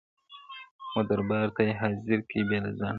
• و دربار ته یې حاضر کئ بېله ځنډه,